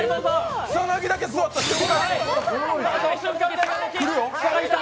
草薙だけ座った瞬間